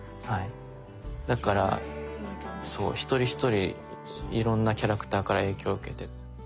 だからそう一人一人いろんなキャラクターから影響受けて。